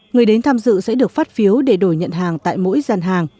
người đến tham dự sẽ được phát phiếu để đổi nhận hàng tại mỗi gian hàng